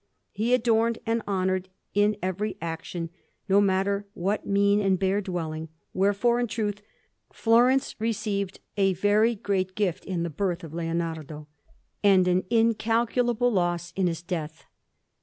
He adorned and honoured, in every action, no matter what mean and bare dwelling; wherefore, in truth, Florence received a very great gift in the birth of Leonardo, and an incalculable loss in his death.